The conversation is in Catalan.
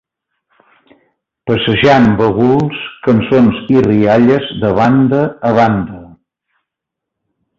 Passejant baguls, cançons i rialles de banda a banda